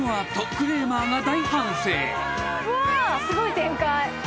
すごい展開。